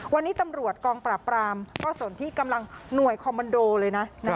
วันนี้ตำรวจกองปราบปรามก็สนที่กำลังหน่วยคอมมันโดเลยนะ